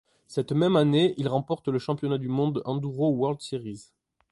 Cette même année, il remporte le championnat du monde Enduro World Series.